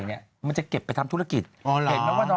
เวียดีให้โปล่ม๊ย่เลคุณ